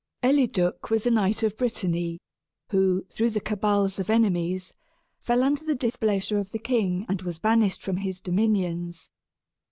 _) Eliduc was a knight of Brittany who, through the cabals of enemies, fell under the displeasure of the king and was banished from his dominions.